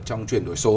trong chuyển đổi số